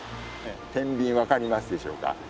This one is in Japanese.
てんびんわかりますでしょうか？